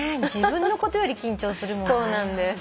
自分のことより緊張するもんね。